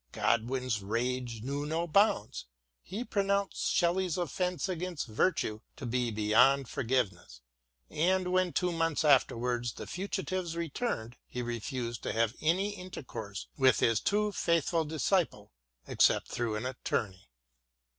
Godwin's rage knew no bounds ; he pronounced Shelley's offence against virtue to be beyond forgiveness, and when two months afterwards the fugitives returned he refused to have any intercourse with his too faithful disciple except through an attorney.